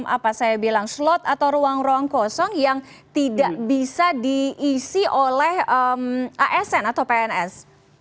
apa saya bilang slot atau ruang ruang kosong yang tidak bisa diisi oleh asn atau pns